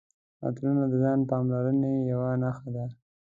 عطرونه د ځان پاملرنې یوه برخه ده.